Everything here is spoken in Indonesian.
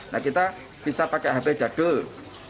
nah kita bisa pakai hp jadul